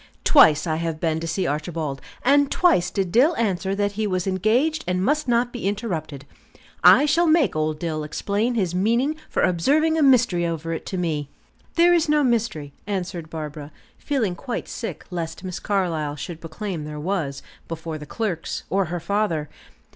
Twice I have been to see Archibald, and twice did Dill answer that he was engaged and must not be interrupted. I shall make old Dill explain his meaning for observing a mystery over it to me." "There is no mystery," answered Barbara, feeling quite sick lest Miss Carlyle should proclaim there was, before the clerks, or her father.